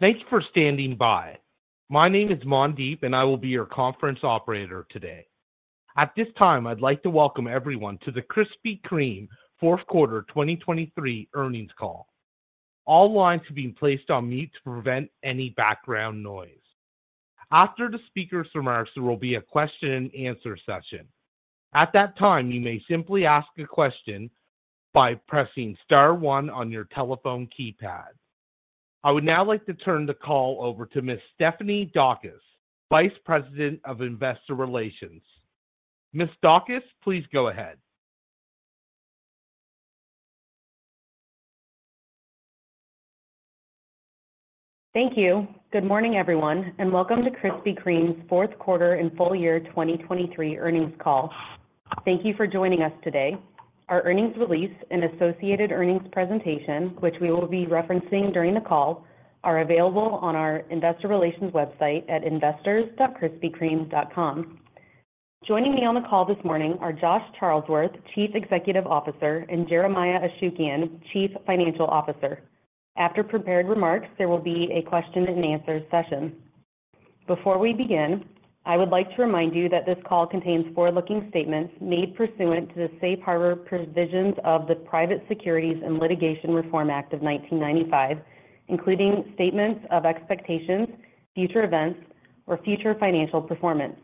Thank you for standing by. My name is Mandeep, and I will be your conference operator today. At this time, I'd like to welcome everyone to the Krispy Kreme fourth quarter 2023 earnings call. All lines have been placed on mute to prevent any background noise. After the speaker's remarks, there will be a question and answer session. At that time, you may simply ask a question by pressing star one on your telephone keypad. I would now like to turn the call over to Miss Stephanie Daukus, Vice President of Investor Relations. Miss Daukus, please go ahead. Thank you. Good morning, everyone, and welcome to Krispy Kreme's fourth quarter and full year 2023 earnings call. Thank you for joining us today. Our earnings release and associated earnings presentation, which we will be referencing during the call, are available on our investor relations website at investors.krispykreme.com. Joining me on the call this morning are Josh Charlesworth, Chief Executive Officer, and Jeremiah Ashukian, Chief Financial Officer. After prepared remarks, there will be a question and answer session. Before we begin, I would like to remind you that this call contains forward-looking statements made pursuant to the Safe Harbor Provisions of the Private Securities and Litigation Reform Act of 1995, including statements of expectations, future events, or future financial performance.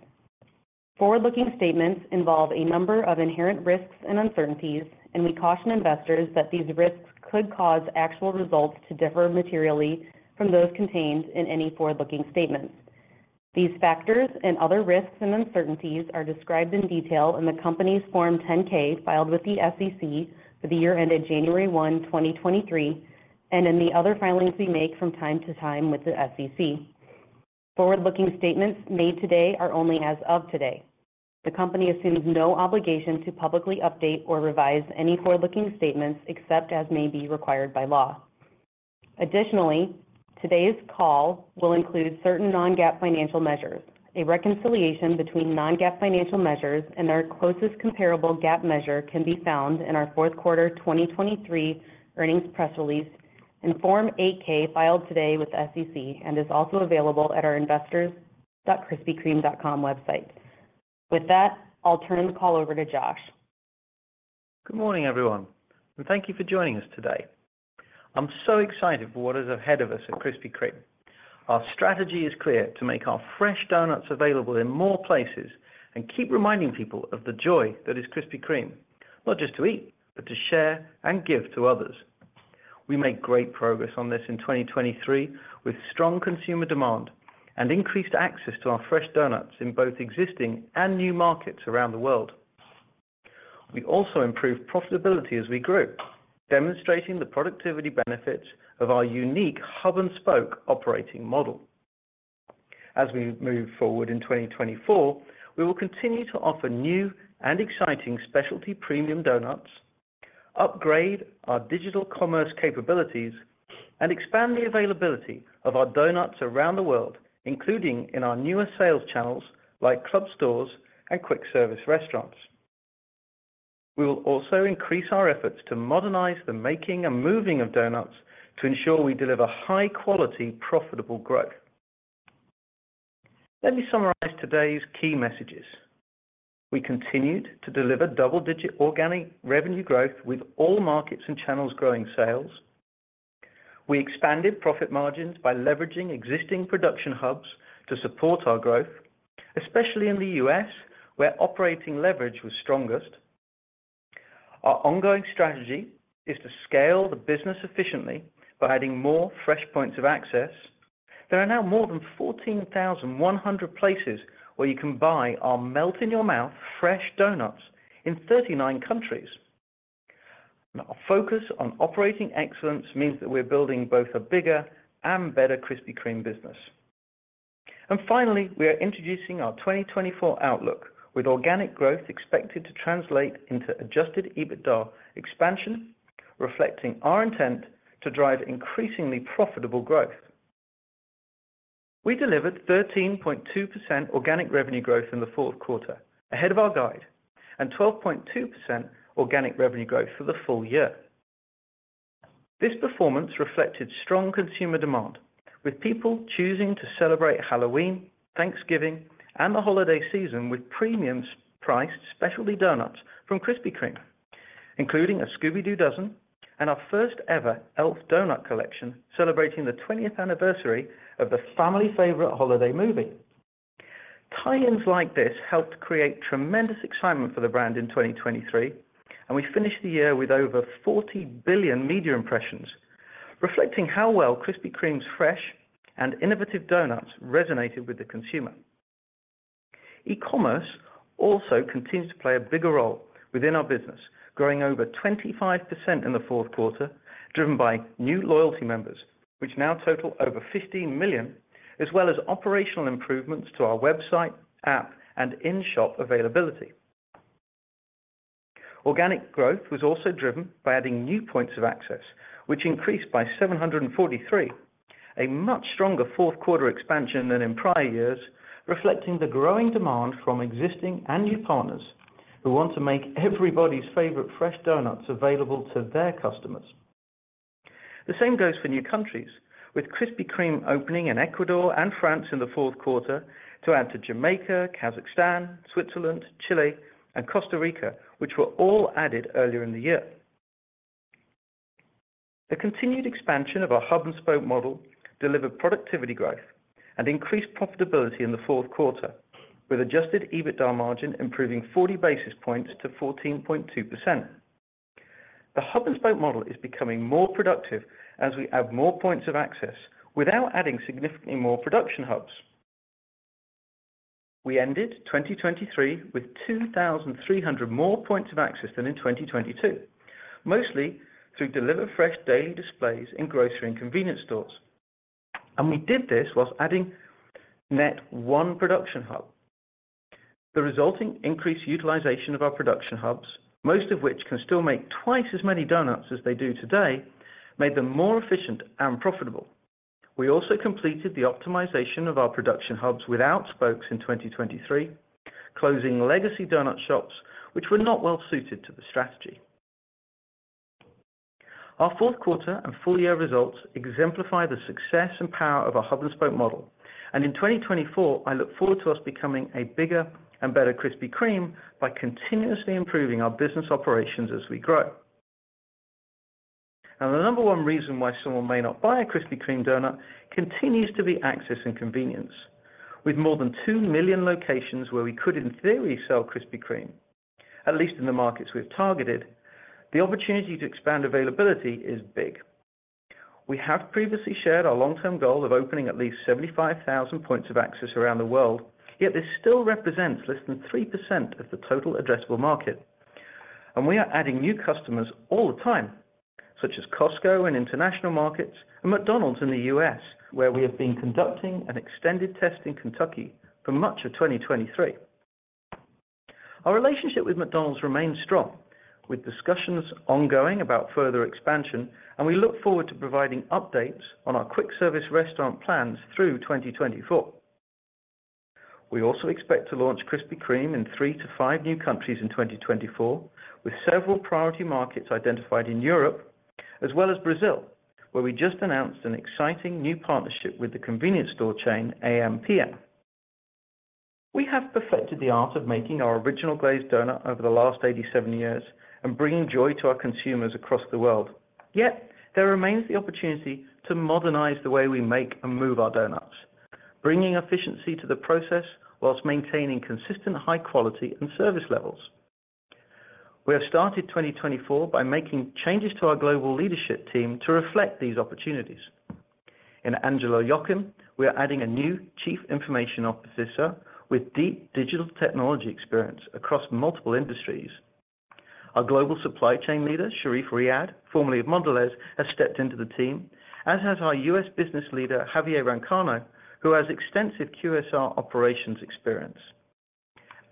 Forward-looking statements involve a number of inherent risks and uncertainties, and we caution investors that these risks could cause actual results to differ materially from those contained in any forward-looking statements. These factors and other risks and uncertainties are described in detail in the company's Form 10-K filed with the SEC for the year ended January 1, 2023, and in the other filings we make from time to time with the SEC. Forward-looking statements made today are only as of today. The company assumes no obligation to publicly update or revise any forward-looking statements except as may be required by law. Additionally, today's call will include certain non-GAAP financial measures. A reconciliation between non-GAAP financial measures and our closest comparable GAAP measure can be found in our fourth quarter 2023 earnings press release and Form 8-K, filed today with the SEC, and is also available at our investors.krispykreme.com website. With that, I'll turn the call over to Josh. Good morning, everyone, and thank you for joining us today. I'm so excited for what is ahead of us at Krispy Kreme. Our strategy is clear: to make our fresh donuts available in more places and keep reminding people of the joy that is Krispy Kreme, not just to eat, but to share and give to others. We made great progress on this in 2023, with strong consumer demand and increased access to our fresh donuts in both existing and new markets around the world. We also improved profitability as we grew, demonstrating the productivity benefits of our unique hub and spoke operating model. As we move forward in 2024, we will continue to offer new and exciting specialty premium donuts, upgrade our digital commerce capabilities, and expand the availability of our donuts around the world, including in our newer sales channels like club stores and quick-service restaurants. We will also increase our efforts to modernize the making and moving of donuts to ensure we deliver high-quality, profitable growth. Let me summarize today's key messages. We continued to deliver double-digit organic revenue growth with all markets and channels growing sales. We expanded profit margins by leveraging existing production hubs to support our growth, especially in the U.S., where operating leverage was strongest. Our ongoing strategy is to scale the business efficiently by adding more fresh points of access. There are now more than 14,100 places where you can buy our melt-in-your-mouth fresh donuts in 39 countries. Now, our focus on operating excellence means that we're building both a bigger and better Krispy Kreme business. And finally, we are introducing our 2024 outlook, with organic growth expected to translate into adjusted EBITDA expansion, reflecting our intent to drive increasingly profitable growth. We delivered 13.2% organic revenue growth in the fourth quarter, ahead of our guide, and 12.2% organic revenue growth for the full year. This performance reflected strong consumer demand, with people choosing to celebrate Halloween, Thanksgiving, and the holiday season with premium-priced specialty donuts from Krispy Kreme, including a Scooby-Doo dozen and our first ever Elf donut collection, celebrating the 20th anniversary of the family favorite holiday movie. Tie-ins like this helped create tremendous excitement for the brand in 2023, and we finished the year with over 40 billion media impressions, reflecting how well Krispy Kreme's fresh and innovative donuts resonated with the consumer. E-commerce also continues to play a bigger role within our business, growing over 25% in the fourth quarter, driven by new loyalty members, which now total over 15 million, as well as operational improvements to our website, app, and in-shop availability. Organic growth was also driven by adding new points of access, which increased by 743, a much stronger fourth quarter expansion than in prior years, reflecting the growing demand from existing and new partners who want to make everybody's favorite fresh donuts available to their customers. The same goes for new countries, with Krispy Kreme opening in Ecuador and France in the fourth quarter to add to Jamaica, Kazakhstan, Switzerland, Chile, and Costa Rica, which were all added earlier in the year. The continued expansion of our Hub and Spoke model delivered productivity growth and increased profitability in the fourth quarter, with adjusted EBITDA margin improving 40 basis points to 14.2%. The Hub and Spoke model is becoming more productive as we add more points of access without adding significantly more production hubs. We ended 2023 with 2,300 more points of access than in 2022, mostly through Delivered Fresh Daily displays in grocery and convenience stores. And we did this while adding net 1 production hub. The resulting increased utilization of our production hubs, most of which can still make twice as many donuts as they do today, made them more efficient and profitable. We also completed the optimization of our production hubs without spokes in 2023, closing legacy donut shops, which were not well suited to the strategy. Our fourth quarter and full year results exemplify the success and power of our Hub and Spoke model, and in 2024, I look forward to us becoming a bigger and better Krispy Kreme by continuously improving our business operations as we grow. Now, the number one reason why someone may not buy a Krispy Kreme donut continues to be access and convenience. With more than 2 million locations where we could, in theory, sell Krispy Kreme, at least in the markets we've targeted, the opportunity to expand availability is big. We have previously shared our long-term goal of opening at least 75,000 Points of Access around the world, yet this still represents less than 3% of the total addressable market. We are adding new customers all the time, such as Costco in international markets and McDonald's in the U.S., where we have been conducting an extended test in Kentucky for much of 2023. Our relationship with McDonald's remains strong, with discussions ongoing about further expansion, and we look forward to providing updates on our quick service restaurant plans through 2024. We also expect to launch Krispy Kreme in 3-5 new countries in 2024, with several priority markets identified in Europe, as well as Brazil, where we just announced an exciting new partnership with the convenience store chain, ampm. We have perfected the art of making our Original Glazed donut over the last 87 years and bringing joy to our consumers across the world. Yet, there remains the opportunity to modernize the way we make and move our donuts, bringing efficiency to the process while maintaining consistent high quality and service levels. We have started 2024 by making changes to our global leadership team to reflect these opportunities. In Angela Yochem, we are adding a new Chief Information Officer with deep digital technology experience across multiple industries. Our Global Supply Chain Leader, Sherif Riad, formerly of Mondelez, has stepped into the team, as has our U.S. Business Leader, Javier Rancaño, who has extensive QSR operations experience.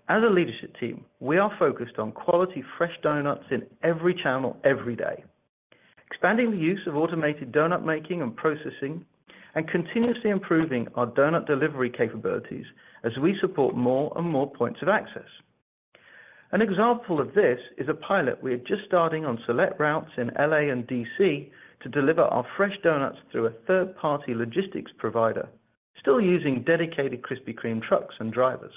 As a leadership team, we are focused on quality, fresh donuts in every channel, every day, expanding the use of automated donut making and processing, and continuously improving our donut delivery capabilities as we support more and more Points of Access. An example of this is a pilot we are just starting on select routes in L.A. and D.C. to deliver our fresh donuts through a third-party logistics provider, still using dedicated Krispy Kreme trucks and drivers.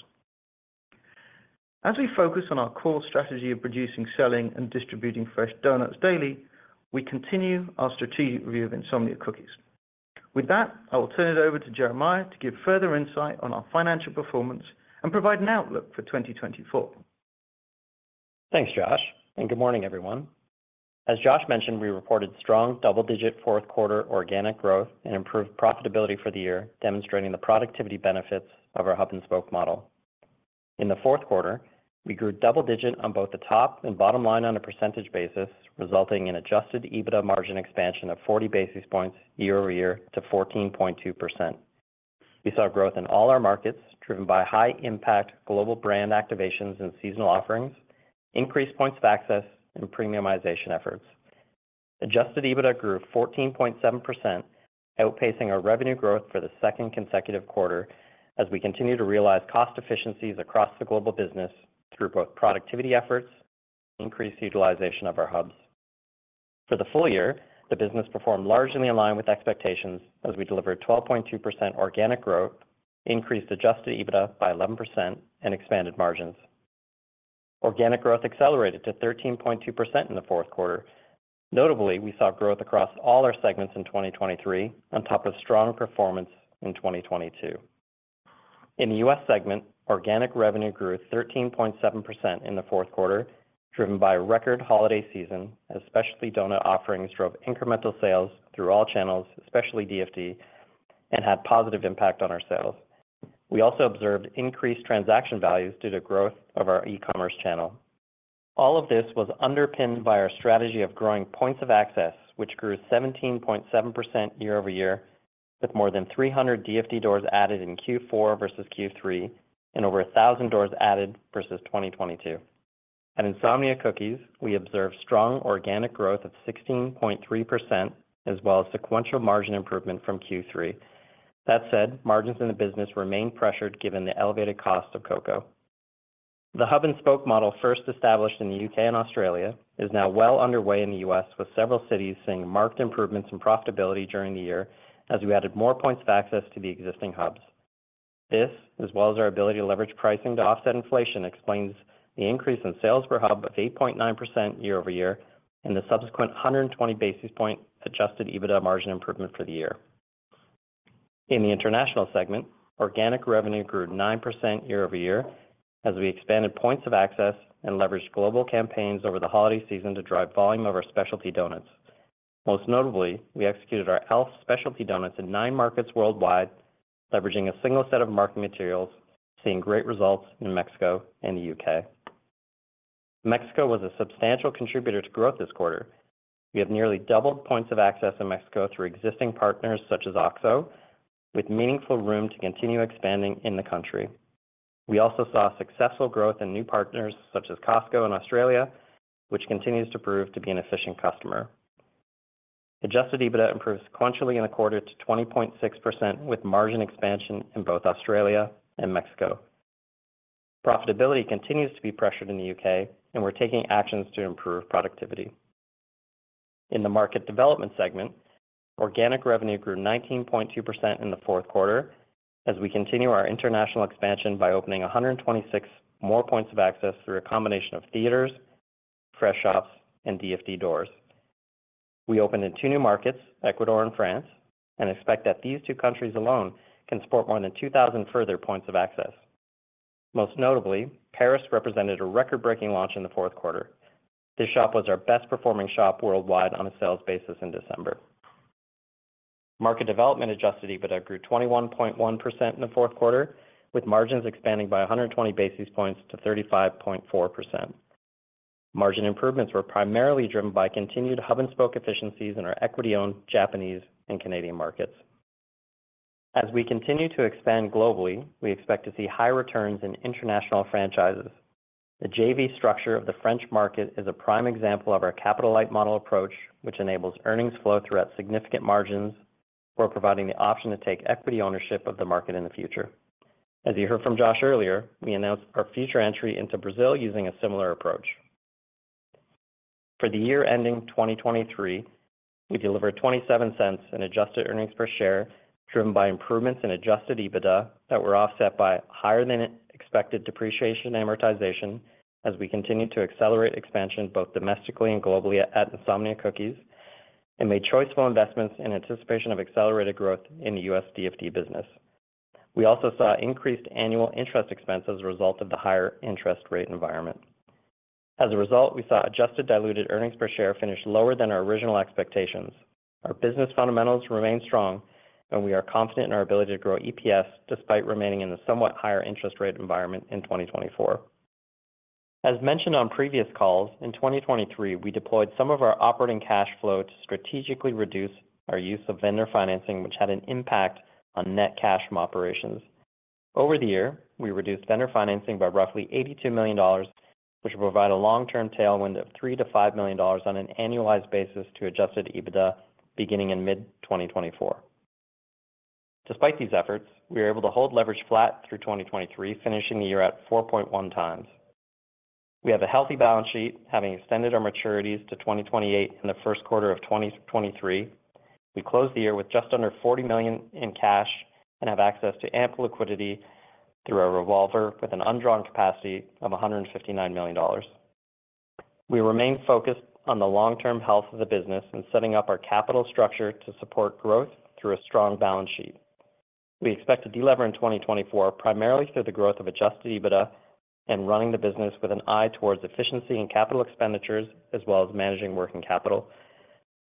As we focus on our core strategy of producing, selling, and distributing fresh donuts daily, we continue our strategic review of Insomnia Cookies. With that, I will turn it over to Jeremiah to give further insight on our financial performance and provide an outlook for 2024. Thanks, Josh, and good morning, everyone. As Josh mentioned, we reported strong double-digit fourth quarter organic growth and improved profitability for the year, demonstrating the productivity benefits of our Hub and Spoke model. In the fourth quarter, we grew double digit on both the top and bottom line on a percentage basis, resulting in adjusted EBITDA margin expansion of 40 basis points year-over-year to 14.2%. We saw growth in all our markets, driven by high impact global brand activations and seasonal offerings, increased Points of Access, and premiumization efforts. Adjusted EBITDA grew 14.7%, outpacing our revenue growth for the second consecutive quarter as we continue to realize cost efficiencies across the global business through both productivity efforts, increased utilization of our hubs. For the full year, the business performed largely in line with expectations as we delivered 12.2% organic growth, increased Adjusted EBITDA by 11%, and expanded margins. Organic growth accelerated to 13.2% in the fourth quarter. Notably, we saw growth across all our segments in 2023, on top of strong performance in 2022. In the U.S. segment, organic revenue grew 13.7% in the fourth quarter, driven by a record holiday season, as specialty donut offerings drove incremental sales through all channels, especially DFD, and had positive impact on our sales. We also observed increased transaction values due to growth of our e-commerce channel. All of this was underpinned by our strategy of growing points of access, which grew 17.7% year-over-year, with more than 300 DFD doors added in Q4 versus Q3 and over 1,000 doors added versus 2022. At Insomnia Cookies, we observed strong organic growth of 16.3%, as well as sequential margin improvement from Q3. That said, margins in the business remain pressured given the elevated cost of cocoa. The hub-and-spoke model, first established in the U.K. and Australia, is now well underway in the U.S., with several cities seeing marked improvements in profitability during the year as we added more points of access to the existing hubs. This, as well as our ability to leverage pricing to offset inflation, explains the increase in sales per hub of 8.9% year-over-year, and the subsequent 120 basis point adjusted EBITDA margin improvement for the year. In the International segment, organic revenue grew 9% year-over-year as we expanded points of access and leveraged global campaigns over the holiday season to drive volume of our specialty donuts. Most notably, we executed our Elf specialty donuts in 9 markets worldwide, leveraging a single set of marketing materials, seeing great results in Mexico and the U.K. Mexico was a substantial contributor to growth this quarter. We have nearly doubled points of access in Mexico through existing partners such as Oxxo, with meaningful room to continue expanding in the country. We also saw successful growth in new partners such as Costco in Australia, which continues to prove to be an efficient customer. Adjusted EBITDA improved sequentially in the quarter to 20.6%, with margin expansion in both Australia and Mexico. Profitability continues to be pressured in the U.K., and we're taking actions to improve productivity. In the Market Development segment, organic revenue grew 19.2% in the fourth quarter as we continue our international expansion by opening 126 more points of access through a combination of theaters, fresh shops, and DFD doors. We opened in two new markets, Ecuador and France, and expect that these two countries alone can support more than 2,000 further points of access. Most notably, Paris represented a record-breaking launch in the fourth quarter. This shop was our best performing shop worldwide on a sales basis in December. Market development Adjusted EBITDA grew 21.1% in the fourth quarter, with margins expanding by 120 basis points to 35.4%. Margin improvements were primarily driven by continued Hub and Spoke efficiencies in our equity-owned Japanese and Canadian markets. As we continue to expand globally, we expect to see high returns in international franchises. The JV structure of the French market is a prime example of our capital-light model approach, which enables earnings flow throughout significant margins, while providing the option to take equity ownership of the market in the future. As you heard from Josh earlier, we announced our future entry into Brazil using a similar approach. For the year ending 2023, we delivered $0.27 in Adjusted Earnings Per Share, driven by improvements in Adjusted EBITDA that were offset by higher than expected depreciation amortization as we continued to accelerate expansion, both domestically and globally, at Insomnia Cookies, and made choiceful investments in anticipation of accelerated growth in the U.S. DFD business. We also saw increased annual interest expense as a result of the higher interest rate environment. As a result, we saw Adjusted Diluted Earnings Per Share finish lower than our original expectations. Our business fundamentals remain strong, and we are confident in our ability to grow EPS despite remaining in a somewhat higher interest rate environment in 2024. As mentioned on previous calls, in 2023, we deployed some of our operating cash flow to strategically reduce our use of vendor financing, which had an impact on net cash from operations. Over the year, we reduced vendor financing by roughly $82 million, which will provide a long-term tailwind of $3 million-$5 million on an annualized basis to adjusted EBITDA beginning in mid-2024. Despite these efforts, we were able to hold leverage flat through 2023, finishing the year at 4.1 times. We have a healthy balance sheet, having extended our maturities to 2028 in the first quarter of 2023. We closed the year with just under $40 million in cash and have access to ample liquidity through our revolver, with an undrawn capacity of $159 million. We remain focused on the long-term health of the business and setting up our capital structure to support growth through a strong balance sheet. We expect to de-lever in 2024, primarily through the growth of Adjusted EBITDA and running the business with an eye towards efficiency and capital expenditures, as well as managing working capital.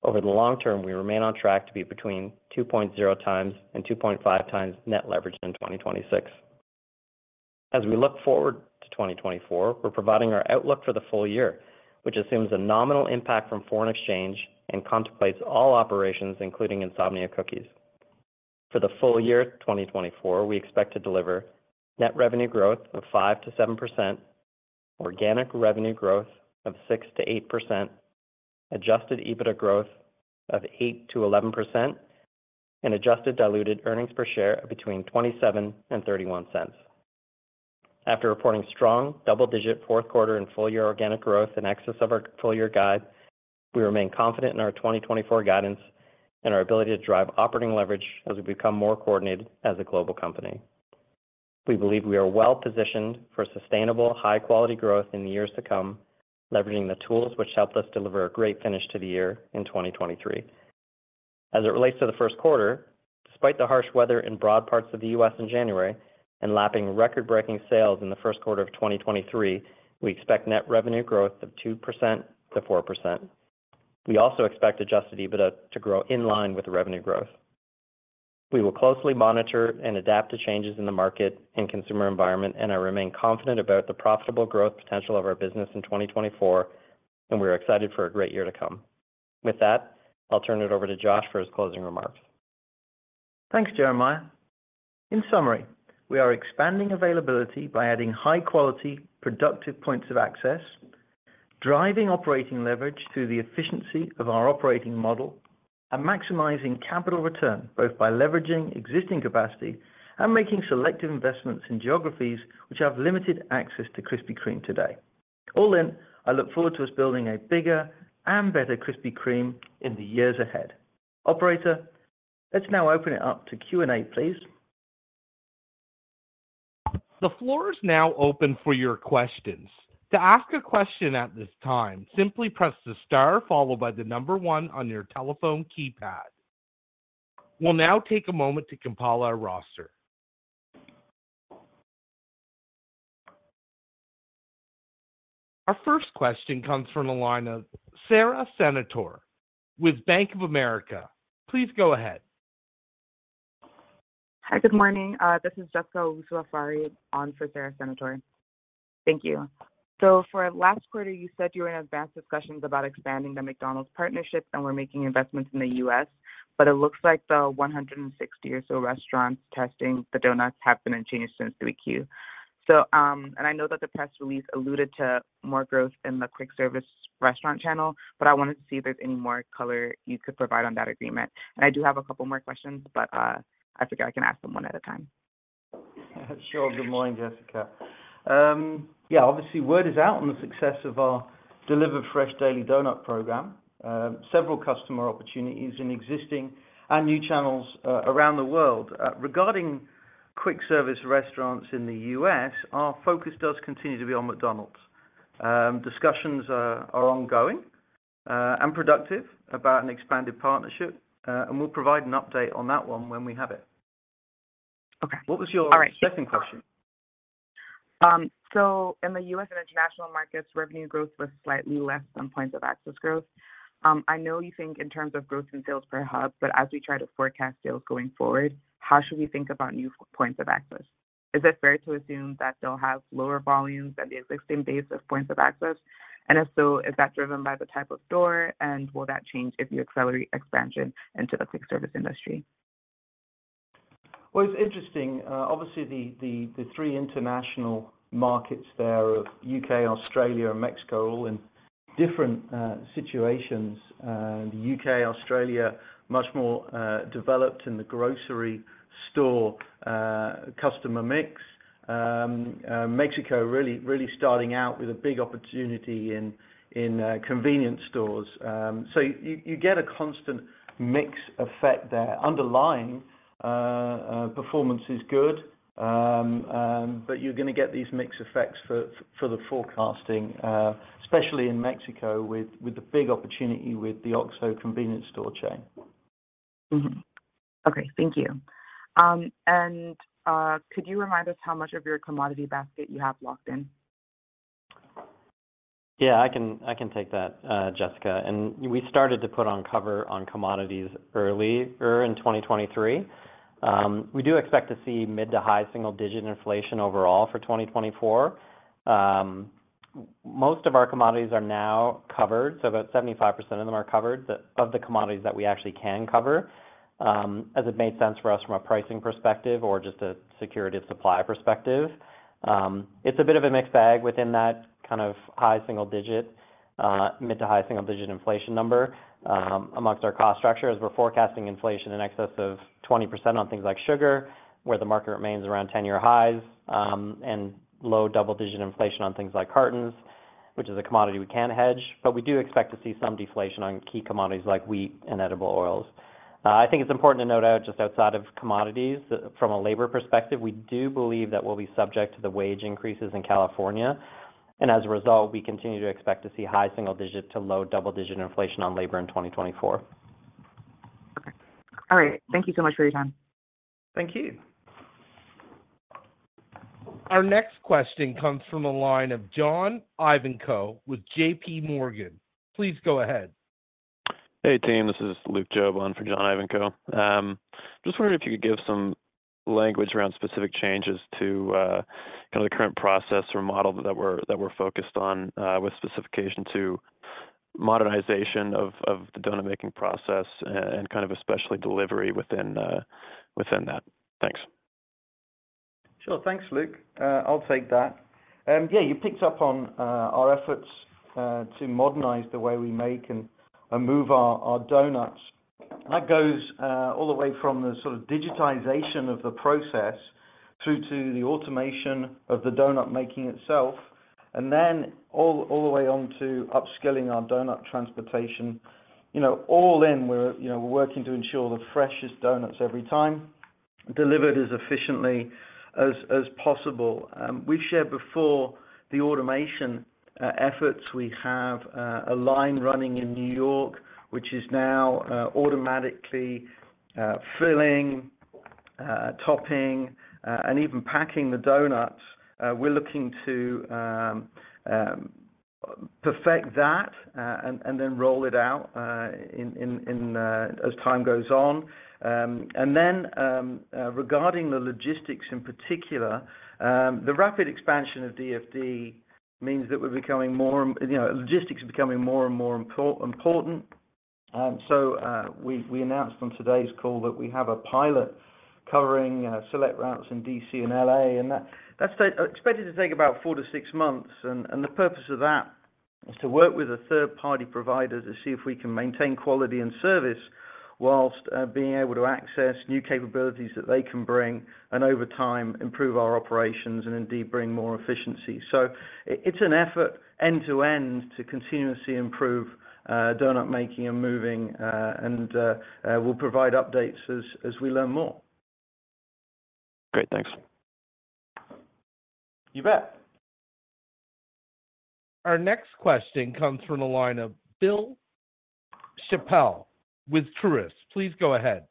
Over the long term, we remain on track to be between 2.0x and 2.5x net leverage in 2026. As we look forward to 2024, we're providing our outlook for the full year, which assumes a nominal impact from foreign exchange and contemplates all operations, including Insomnia Cookies. For the full year 2024, we expect to deliver net revenue growth of 5%-7%, organic revenue growth of 6%-8%, Adjusted EBITDA growth of 8%-11%, and adjusted diluted earnings per share of between $0.27 and $0.31. After reporting strong double-digit fourth quarter and full year organic growth in excess of our full-year guide, we remain confident in our 2024 guidance and our ability to drive operating leverage as we become more coordinated as a global company. We believe we are well positioned for sustainable, high-quality growth in the years to come, leveraging the tools which helped us deliver a great finish to the year in 2023. As it relates to the first quarter, despite the harsh weather in broad parts of the U.S. in January and lapping record-breaking sales in the first quarter of 2023, we expect net revenue growth of 2%-4%. We also expect adjusted EBITDA to grow in line with the revenue growth. We will closely monitor and adapt to changes in the market and consumer environment, and I remain confident about the profitable growth potential of our business in 2024, and we are excited for a great year to come. With that, I'll turn it over to Josh for his closing remarks. Thanks, Jeremiah. In summary, we are expanding availability by adding high-quality, productive points of access. Driving operating leverage through the efficiency of our operating model, and maximizing capital return, both by leveraging existing capacity and making selective investments in geographies which have limited access to Krispy Kreme today. All in, I look forward to us building a bigger and better Krispy Kreme in the years ahead. Operator, let's now open it up to Q&A, please. The floor is now open for your questions. To ask a question at this time, simply press the star followed by the number one on your telephone keypad. We'll now take a moment to compile our roster. Our first question comes from the line of Sara Senatore with Bank of America. Please go ahead. Hi, good morning. This is Jessica Schaefer on for Sara Senatore. Thank you. So for last quarter, you said you were in advanced discussions about expanding the McDonald's partnership, and we're making investments in the U.S., but it looks like the 160 or so restaurants testing the donuts have been unchanged since 3Q. So, and I know that the press release alluded to more growth in the quick service restaurant channel, but I wanted to see if there's any more color you could provide on that agreement. And I do have a couple more questions, but, I figure I can ask them one at a time. Sure. Good morning, Jessica. Yeah, obviously, word is out on the success of our Delivered Fresh Daily donut program. Several customer opportunities in existing and new channels around the world. Regarding quick service restaurants in the U.S., our focus does continue to be on McDonald's. Discussions are ongoing and productive about an expanded partnership, and we'll provide an update on that one when we have it. Okay. What was your- All right.... second question? In the U.S. and international markets, revenue growth was slightly less than Points of Access growth. I know you think in terms of growth in sales per Hub, but as we try to forecast sales going forward, how should we think about new Points of Access? Is it fair to assume that they'll have lower volumes than the existing base of Points of Access? And if so, is that driven by the type of store, and will that change if you accelerate expansion into the Quick Service industry? Well, it's interesting. Obviously, the three international markets there of U.K., Australia, and Mexico are all in different situations. The U.K., Australia, much more developed in the grocery store customer mix. Mexico, really starting out with a big opportunity in convenience stores. So you get a constant mix effect there. Underlying performance is good, but you're going to get these mix effects for the forecasting, especially in Mexico, with the big opportunity with the Oxxo convenience store chain. Mm-hmm. Okay, thank you. Could you remind us how much of your commodity basket you have locked in? Yeah, I can, I can take that, Jessica. We started to put on cover on commodities earlier in 2023. We do expect to see mid- to high-single-digit inflation overall for 2024. Most of our commodities are now covered, so about 75% of them are covered, of the commodities that we actually can cover, as it made sense for us from a pricing perspective or just a security of supply perspective. It's a bit of a mixed bag within that kind of high single digit, mid- to high-single-digit inflation number, among our cost structure, as we're forecasting inflation in excess of 20% on things like sugar, where the market remains around 10-year highs, and low double-digit inflation on things like cartons, which is a commodity we can hedge. But we do expect to see some deflation on key commodities like wheat and edible oils. I think it's important to note out, just outside of commodities, from a labor perspective, we do believe that we'll be subject to the wage increases in California, and as a result, we continue to expect to see high single digit to low double-digit inflation on labor in 2024. Okay. All right. Thank you so much for your time. Thank you. Our next question comes from a line of John Ivankoe with JPMorgan. Please go ahead. Hey, team, this is Luke Jobe for John Ivankoe. Just wondering if you could give some language around specific changes to kind of the current process or model that we're focused on with specification to modernization of the donut-making process and kind of especially delivery within that. Thanks. Sure. Thanks, Luke. I'll take that. Yeah, you picked up on our efforts to modernize the way we make and move our donuts. That goes all the way from the sort of digitization of the process through to the automation of the donut making itself, and then all the way on to upskilling our donut transportation. You know, all in, we're, you know, we're working to ensure the freshest donuts every time, delivered as efficiently as possible. We've shared before the automation efforts. We have a line running in New York, which is now automatically filling, topping, and even packing the donuts. We're looking to perfect that, and then roll it out in as time goes on. And then, regarding the logistics in particular, the rapid expansion of DFD means that we're becoming more, you know, logistics are becoming more and more important. So, we announced on today's call that we have a pilot covering select routes in D.C. and L.A., and that's expected to take about 4-6 months. And the purpose of that is to work with a third-party provider to see if we can maintain quality and service, whilst being able to access new capabilities that they can bring, and over time, improve our operations, and indeed, bring more efficiency. So it's an effort, end to end, to continuously improve donut making and moving. And we'll provide updates as we learn more. Great, thanks. You bet. Our next question comes from the line of Bill Chappell with Truist. Please go ahead.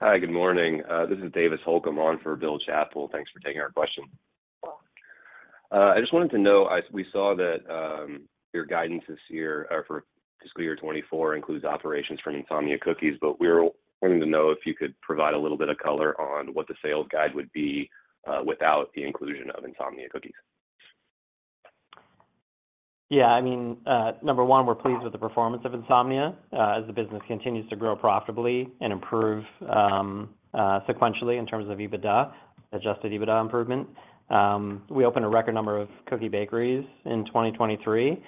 Hi, good morning. This is Davis Holcombe on for Bill Chappell. Thanks for taking our question. I just wanted to know, we saw that your guidance this year for fiscal year 2024 includes operations from Insomnia Cookies, but we were wanting to know if you could provide a little bit of color on what the sales guide would be without the inclusion of Insomnia Cookies? Yeah, I mean, number one, we're pleased with the performance of Insomnia as the business continues to grow profitably and improve sequentially, in terms of EBITDA, Adjusted EBITDA improvement. We opened a record number of cookie bakeries in 2023.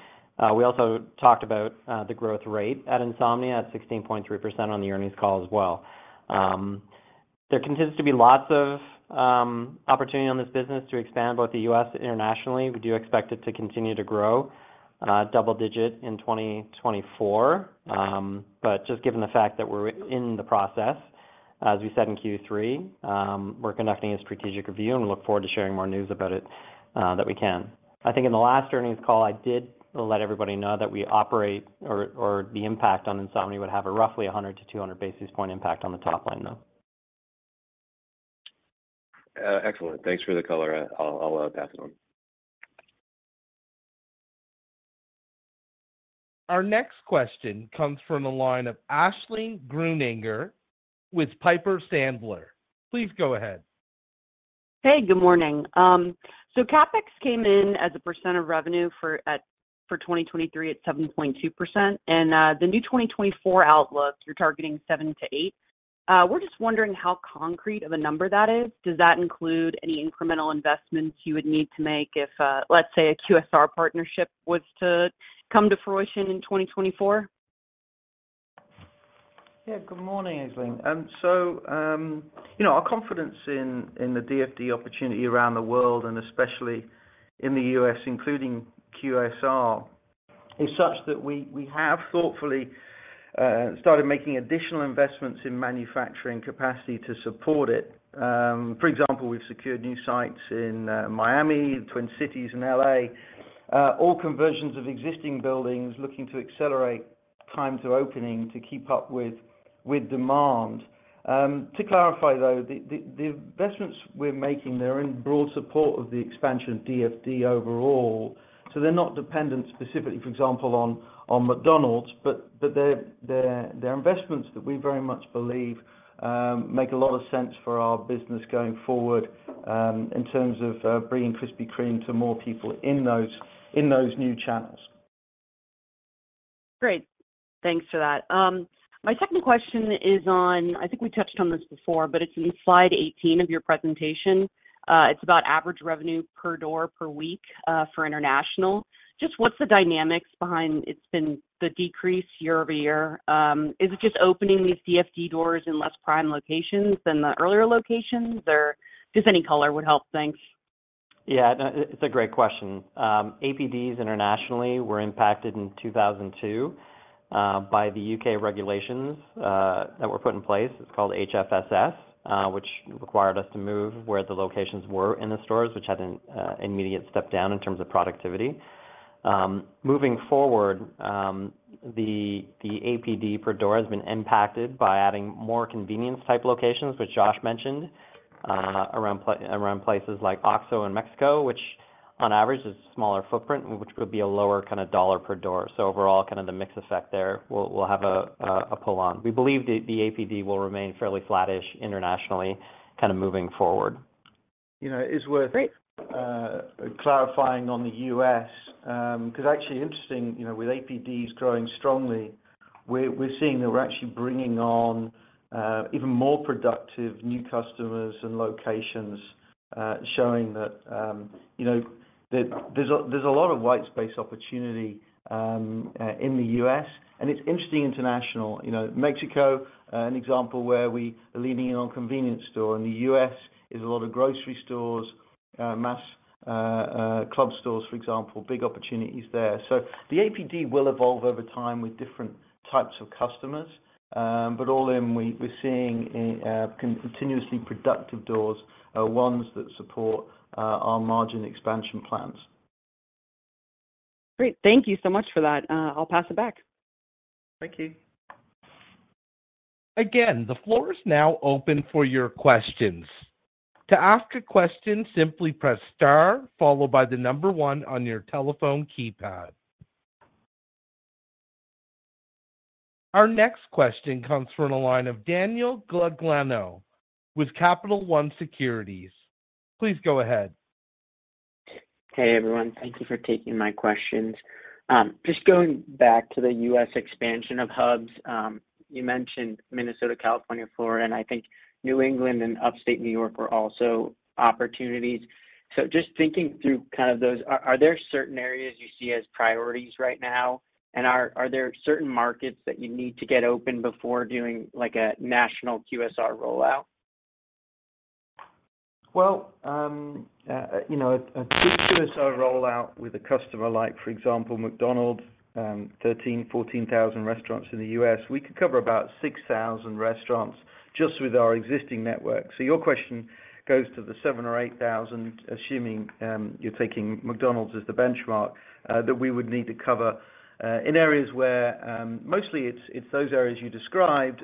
We also talked about the growth rate at Insomnia at 16.3% on the earnings call as well. There continues to be lots of opportunity on this business to expand, both the U.S. and internationally. We do expect it to continue to grow double-digit in 2024. But just given the fact that we're in the process, as we said in Q3, we're conducting a strategic review, and we look forward to sharing more news about it that we can. I think in the last earnings call, I did let everybody know that we operate the impact on Insomnia would have a roughly 100-200 basis point impact on the top line, though. Excellent. Thanks for the color. I'll pass it on. Our next question comes from the line of Aisling Grueninger with Piper Sandler. Please go ahead. Hey, good morning. So CapEx came in as a percent of revenue for 2023 at 7.2%, and the new 2024 outlook, you're targeting 7%-8%. We're just wondering how concrete of a number that is. Does that include any incremental investments you would need to make if, let's say, a QSR partnership was to come to fruition in 2024? Yeah, good morning, Aisling. So, you know, our confidence in the DFD opportunity around the world, and especially in the U.S., including QSR, is such that we have thoughtfully started making additional investments in manufacturing capacity to support it. For example, we've secured new sites in Miami, Twin Cities, and L.A. All conversions of existing buildings, looking to accelerate time to opening, to keep up with demand. To clarify, though, the investments we're making, they're in broad support of the expansion of DFD overall, so they're not dependent specifically, for example, on McDonald's. But they're investments that we very much believe make a lot of sense for our business going forward, in terms of bringing Krispy Kreme to more people in those new channels. Great, thanks for that. My second question is on... I think we touched on this before, but it's in slide 18 of your presentation. It's about average revenue per door per week for international. Just what's the dynamics behind—it's been the decrease year-over-year. Is it just opening these DFD doors in less prime locations than the earlier locations? Or just any color would help. Thanks. Yeah, no, it's a great question. APDs internationally were impacted in 2022 by the U.K. regulations that were put in place. It's called HFSS, which required us to move where the locations were in the stores, which had an immediate step down in terms of productivity. Moving forward, the APD per door has been impacted by adding more convenience-type locations, which Josh mentioned, around places like Oxxo in Mexico, which on average is a smaller footprint, which would be a lower kinda dollar per door. So overall, kind of the mix effect there will have a pull on. We believe the APD will remain fairly flattish internationally, kinda moving forward. You know, it's worth- Great.... clarifying on the U.S., 'cause actually interesting, you know, with APDs growing strongly, we're, we're seeing that we're actually bringing on, even more productive new customers and locations, showing that, you know, there, there's a lot of white space opportunity, in the U.S. And it's interesting international. You know, Mexico, an example where we are leaning in on convenience store. In the U.S., it's a lot of grocery stores, mass, club stores, for example. Big opportunities there. So the APD will evolve over time with different types of customers. But all in, we, we're seeing a, continuously productive doors, ones that support, our margin expansion plans. Great. Thank you so much for that. I'll pass it back. Thank you. Again, the floor is now open for your questions. To ask a question, simply press star, followed by the number one on your telephone keypad. Our next question comes from the line of Daniel Guglielmo with Capital One Securities. Please go ahead. Hey, everyone. Thank you for taking my questions. Just going back to the U.S. expansion of hubs, you mentioned Minnesota, California, Florida, and I think New England and Upstate New York were also opportunities. So just thinking through kind of those, are there certain areas you see as priorities right now? And are there certain markets that you need to get open before doing, like, a national QSR rollout? Well, you know, a QSR rollout with a customer like, for example, McDonald's, 13,000-14,000 restaurants in the U.S., we could cover about 6,000 restaurants just with our existing network. So your question goes to the 7,000 or 8,000, assuming you're taking McDonald's as the benchmark, that we would need to cover, in areas where... mostly it's those areas you described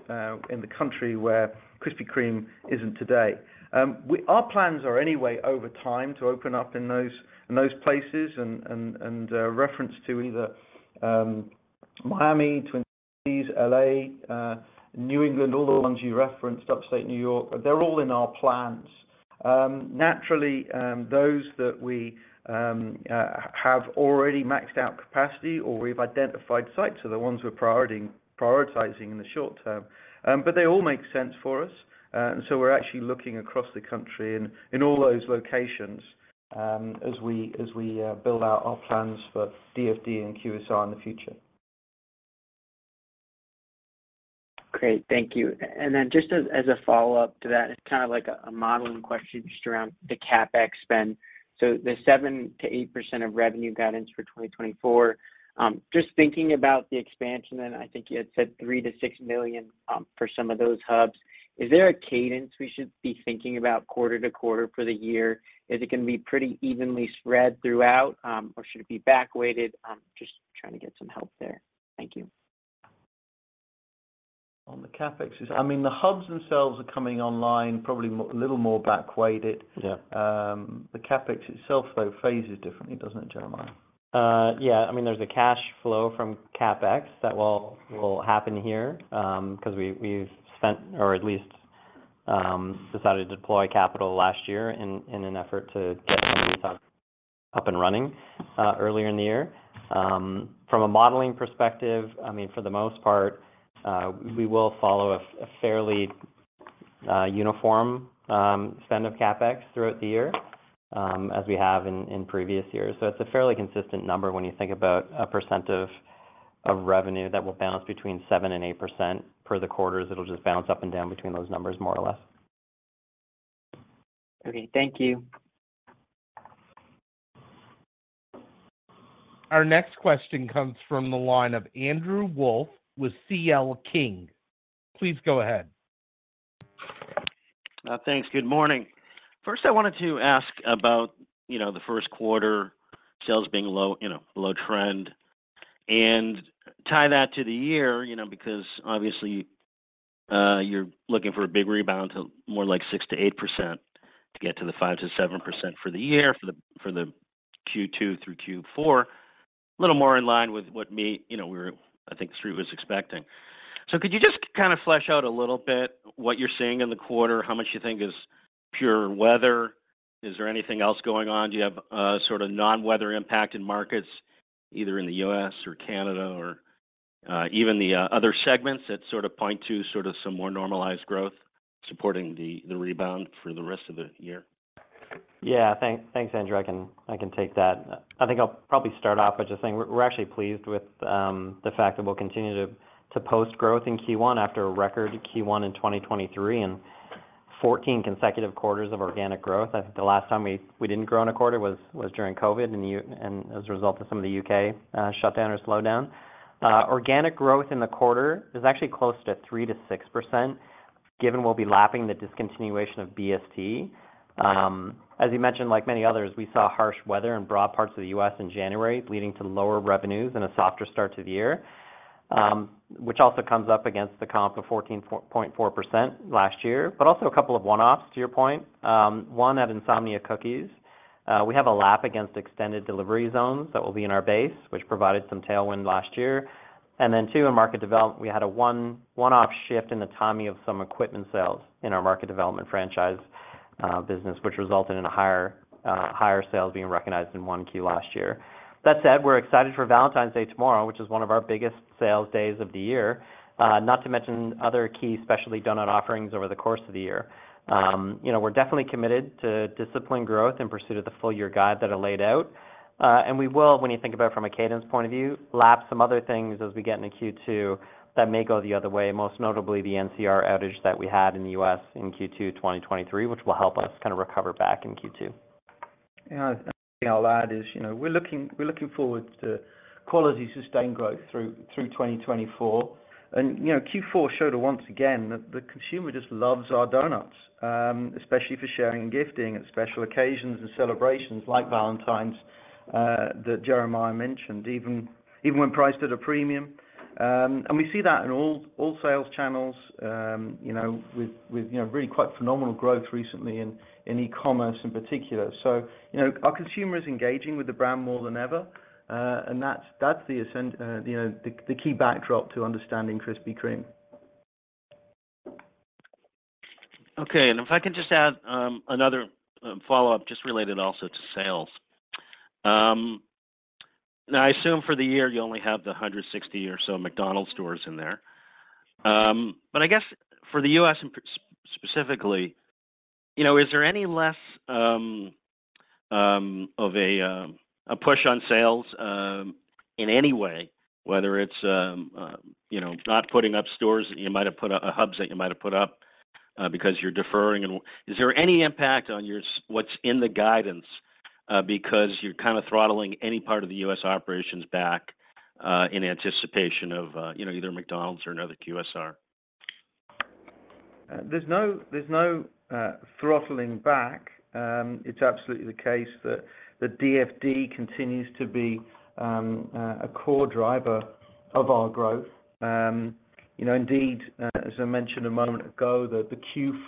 in the country where Krispy Kreme isn't today. Our plans are anyway, over time, to open up in those places and reference to either Miami, Twin Cities, L.A., New England, all the ones you referenced, Upstate New York, they're all in our plans. Naturally, those that we have already maxed out capacity or we've identified sites are the ones we're prioritizing in the short term. But they all make sense for us. And so we're actually looking across the country in all those locations, as we build out our plans for DFD and QSR in the future. Great. Thank you. And then just as, as a follow-up to that, it's kind of like a, a modeling question just around the CapEx spend. So the 7%-8% of revenue guidance for 2024, just thinking about the expansion, and I think you had said $3 million-$6 million, for some of those hubs, is there a cadence we should be thinking about quarter to quarter for the year? Is it going to be pretty evenly spread throughout, or should it be backweighted? Just trying to get some help there. Thank you. On the CapEx, I mean, the hubs themselves are coming online, probably a little more backweighted. Yeah. The CapEx itself, though, phases differently, doesn't it, Jeremiah? Yeah. I mean, there's a cash flow from CapEx that will, will happen here, 'cause we, we've spent or at least, decided to deploy capital last year in, in an effort to get things up, up and running, earlier in the year. From a modeling perspective, I mean, for the most part, we will follow a, a fairly, uniform, spend of CapEx throughout the year, as we have in, in previous years. So it's a fairly consistent number when you think about a percent of, of revenue that will balance between 7% and 8% per the quarters. It'll just bounce up and down between those numbers, more or less. Okay. Thank you. Our next question comes from the line of Andrew Wolf with C.L. King. Please go ahead. Thanks. Good morning. First, I wanted to ask about, you know, the first quarter sales being low, you know, below trend, and tie that to the year, you know, because obviously, you're looking for a big rebound to more like 6%-8% to get to the 5%-7% for the year, for the Q2 through Q4. A little more in line with what, you know, I think the street was expecting. So could you just, kind of, flesh out a little bit what you're seeing in the quarter? How much you think is pure weather? Is there anything else going on? Do you have sort of non-weather impact in markets, either in the U.S. or Canada or even the other segments that sort of point to sort of some more normalized growth supporting the rebound for the rest of the year? Yeah. Thanks, Andrew. I can take that. I think I'll probably start off by just saying we're actually pleased with the fact that we'll continue to post growth in Q1 after a record Q1 in 2023 and 14 consecutive quarters of organic growth. I think the last time we didn't grow in a quarter was during COVID in the U.S. and as a result of some of the U.K. shutdown or slowdown. Organic growth in the quarter is actually close to 3%-6%, given we'll be lapping the discontinuation of BST. As you mentioned, like many others, we saw harsh weather in broad parts of the U.S. in January, leading to lower revenues and a softer start to the year, which also comes up against the comp of 14.4% last year. But also a couple of one-offs, to your point. One, at Insomnia Cookies, we have a lap against extended delivery zones that will be in our base, which provided some tailwind last year. And then, two, in market development, we had a one-off shift in the timing of some equipment sales in our market development franchise business, which resulted in a higher sales being recognized in 1Q last year. That said, we're excited for Valentine's Day tomorrow, which is one of our biggest sales days of the year, not to mention other key specialty donut offerings over the course of the year. You know, we're definitely committed to discipline growth in pursuit of the full year guide that I laid out. We will, when you think about it from a cadence point of view, lap some other things as we get into Q2 that may go the other way, most notably the NCR outage that we had in the U.S. in Q2 2023, which will help us kind of recover back in Q2. Yeah, and I'll add is, you know, we're looking, we're looking forward to quality, sustained growth through, through 2024. And, you know, Q4 showed once again, that the consumer just loves our donuts, especially for sharing and gifting at special occasions and celebrations like Valentine's, that Jeremiah mentioned, even, even when priced at a premium. And we see that in all, all sales channels, you know, with, with, you know, really quite phenomenal growth recently in, in e-commerce in particular. So, you know, our consumer is engaging with the brand more than ever, and that's, that's, you know, the, the key backdrop to understanding Krispy Kreme. Okay, and if I could just add, another follow-up, just related also to sales. Now, I assume for the year, you only have the 160 or so McDonald's stores in there. But I guess for the U.S., and specifically, you know, is there any less of a push on sales in any way, whether it's, you know, not putting up stores that you might have put up, hubs that you might have put up, because you're deferring? And is there any impact on what's in the guidance, because you're kind of throttling any part of the U.S. operations back in anticipation of, you know, either McDonald's or another QSR? There's no throttling back. It's absolutely the case that the DFD continues to be a core driver of our growth. You know, indeed, as I mentioned a moment ago, the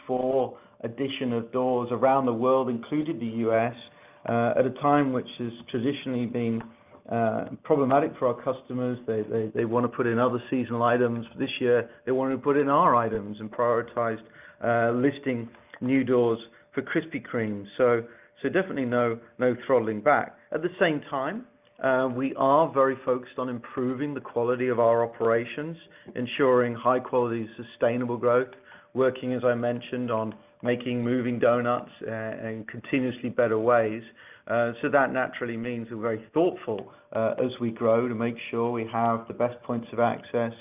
Q4 addition of doors around the world, including the U.S., at a time which has traditionally been problematic for our customers, they want to put in other seasonal items. This year, they wanted to put in our items and prioritized listing new doors for Krispy Kreme. So definitely no throttling back. At the same time, we are very focused on improving the quality of our operations, ensuring high quality, sustainable growth, working, as I mentioned, on making moving donuts in continuously better ways. So that naturally means we're very thoughtful, as we grow, to make sure we have the best points of access,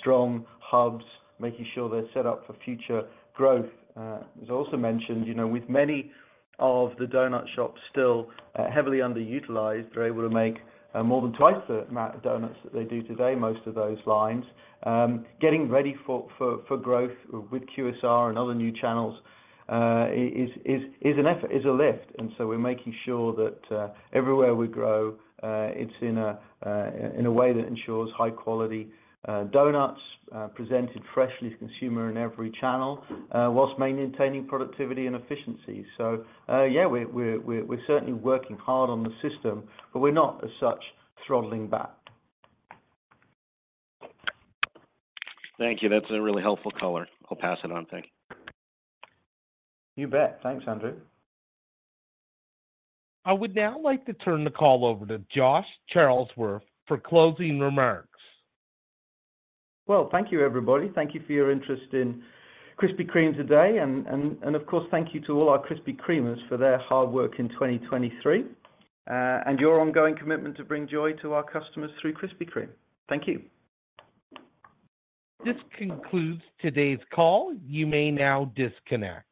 strong hubs, making sure they're set up for future growth. As I also mentioned, you know, with many of the donut shops still heavily underutilized, they're able to make more than twice the amount of donuts that they do today, most of those lines. Getting ready for growth with QSR and other new channels is an effort, is a lift, and so we're making sure that everywhere we grow, it's in a way that ensures high quality donuts presented freshly to consumer in every channel whilst maintaining productivity and efficiency. So, yeah, we're certainly working hard on the system, but we're not, as such, throttling back. Thank you. That's a really helpful color. I'll pass it on. Thank you. You bet. Thanks, Andrew. I would now like to turn the call over to Josh Charlesworth for closing remarks. Well, thank you, everybody. Thank you for your interest in Krispy Kreme today, and of course, thank you to all our Krispy Kremers for their hard work in 2023 and your ongoing commitment to bring joy to our customers through Krispy Kreme. Thank you. This concludes today's call. You may now disconnect.